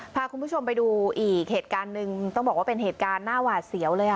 พาคุณผู้ชมไปดูอีกเหตุการณ์หนึ่งต้องบอกว่าเป็นเหตุการณ์หน้าหวาดเสียวเลย